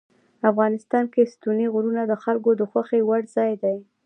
افغانستان کې ستوني غرونه د خلکو د خوښې وړ ځای دی.